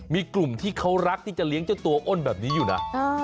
มีกลุ่มที่เขารักที่จะเลี้ยงเจ้าตัวอ้นแบบนี้อยู่นะ